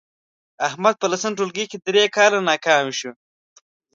احمد په لسم ټولگي کې درې کاله ناکام شو